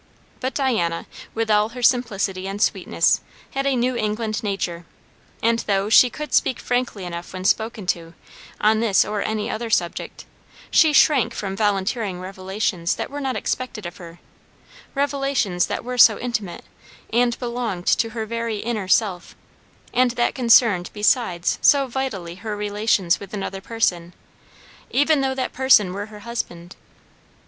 But Diana, with all her simplicity and sweetness, had a New England nature; and though she could speak frankly enough when spoken to, on this or any other subject, she shrank from volunteering revelations that were not expected of her; revelations that were so intimate, and belonged to her very inner self; and that concerned besides so vitally her relations with another person, even though that person were her husband.